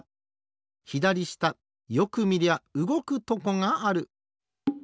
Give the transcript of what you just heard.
ひだりしたよくみりゃうごくとこがある。